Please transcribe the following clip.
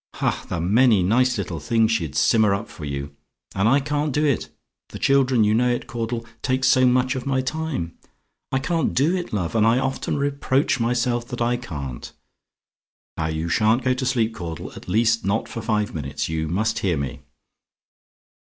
Ha! the many nice little things she'd simmer up for you and I can't do it; the children, you know it, Caudle, take so much of my time. I can't do it, love; and I often reproach myself that I can't. Now, you shan't go to sleep, Caudle; at least not for five minutes. You must hear me.